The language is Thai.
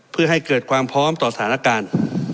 เพื่อให้เกิดความพร้อมต่อสถานการณ์